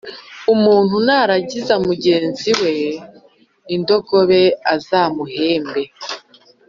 Umuntu naragiza mugenzi we indogobe azamuhembe